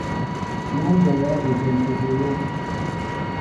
Ná ḿ ɓolɛέ éjem eɓoló.